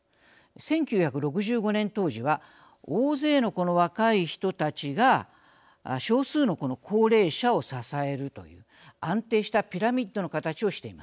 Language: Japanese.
１９６５年当時は大勢のこの若い人たちが少数のこの高齢者を支えるという安定したピラミッドの形をしています。